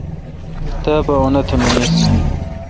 تا پا اُنآ تی منیس